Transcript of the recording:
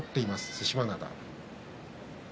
對馬洋。